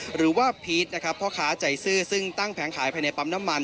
หรือว่าพีชนะครับพ่อค้าใจซื่อซึ่งตั้งแผงขายภายในปั๊มน้ำมัน